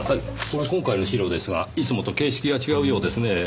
これ今回の資料ですがいつもと形式が違うようですねぇ。